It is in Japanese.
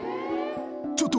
ちょっと！